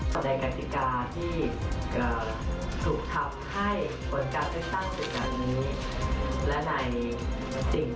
ในกฎิกาที่ถูกทับให้บทการเลือกตั้งเศรษฐานนี้